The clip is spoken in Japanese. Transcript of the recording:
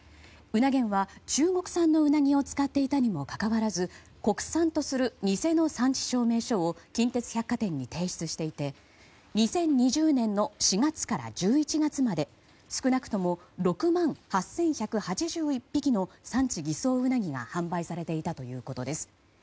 うな源は中国産のウナギを使っていたのにもかかわらず国産とする偽の産地証明書を近鉄百貨店に提出していて２０２０年の４月から１１月まで少なくとも６万８１８１匹の産地偽装ウナギが販売されていたということです。